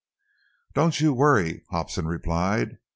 "Don't you worry," Hobson replied.